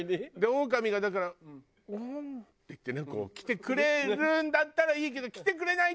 オオカミがだから「ウォン」って言ってね来てくれるんだったらいいけど来てくれない時は。